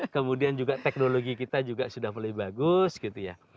kemudian juga teknologi kita juga sudah mulai bagus gitu ya